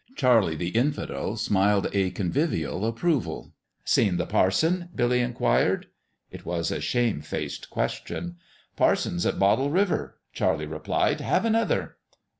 Charlie the Infidel smiled a convivial approval. " Seen the parson ?" Billy inquired. It was a shamefaced question. "Parson's at Bottle River," Charlie replied. " Have another."